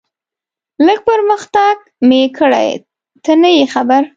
لږ پرمختګ مې کړی، ته نه یې خبر.